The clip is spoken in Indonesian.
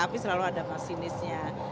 api selalu ada masinisnya